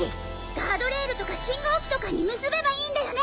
ガードレールとか信号機とかに結べばいいんだよね。